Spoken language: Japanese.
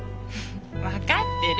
分かってる。